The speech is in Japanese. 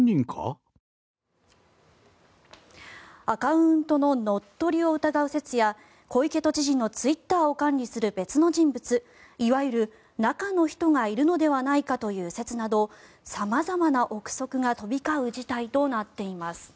アカウントの乗っ取りを疑う説や小池都知事のツイッターを管理する別の人物いわゆる中の人がいるのではないかという説など様々な臆測が飛び交う事態となっています。